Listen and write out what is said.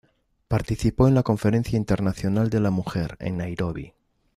Participó en la Conferencia Internacional de la Mujer, en Nairobi.